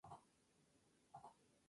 La reflexión social y política.